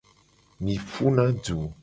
Mi puna du.